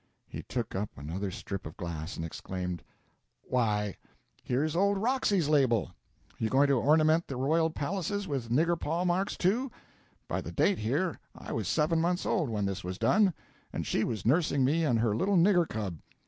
He took up another strip of glass, and exclaimed "Why, here's old Roxy's label! Are you going to ornament the royal palaces with nigger paw marks, too? By the date here, I was seven months old when this was done, and she was nursing me and her little nigger cub.